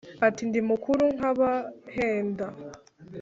Ati: “Ndi mukuru nkabahenda